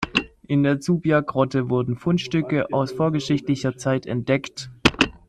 In der Zubia-Grotte wurden Fundstücke aus vorgeschichtlicher Zeit entdeckt.